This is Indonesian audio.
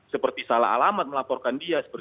seperti salah alamat melaporkan dia